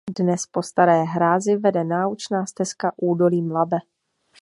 Dnes po staré hrázi vede Naučná stezka "Údolím Labe".